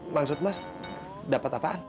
maksud mas dapet apaan